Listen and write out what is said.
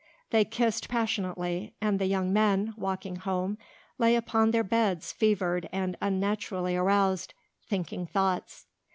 They kissed passionately and the young men, walking home, lay upon their beds fevered and unnaturally aroused, thinking thoughts.